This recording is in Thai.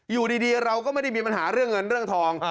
อยู่ดีเราก็ไม่ได้มีปัญหาเรื่องเงินเรื่องทอง